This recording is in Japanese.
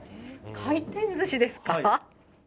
回転ずしですか？